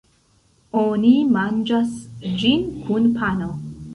Oni manĝas ĝin kun pano.